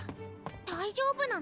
大丈夫なの？